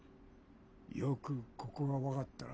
よくここが分かったな。